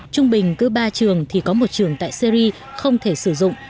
trung bình cứ ba trường thì có một trường tại syri không thể sử dụng